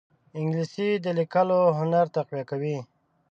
انګلیسي د لیکلو هنر تقویه کوي